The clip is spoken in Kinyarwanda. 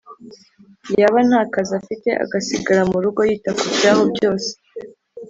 yaba nta kazi afite agasigara mu rugo yita ku byaho byose.